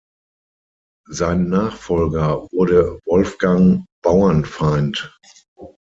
Sein Nachfolger wurde Wolfgang Bauernfeind.